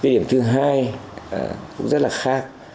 điểm thứ hai cũng rất là khác